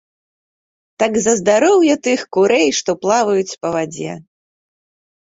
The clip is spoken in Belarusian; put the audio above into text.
Так за здароўе тых курэй, што плаваюць па вадзе.